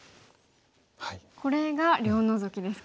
これが両ノゾキですか。